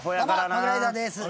モグライダーです。